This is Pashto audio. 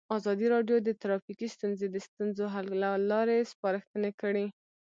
ازادي راډیو د ټرافیکي ستونزې د ستونزو حل لارې سپارښتنې کړي.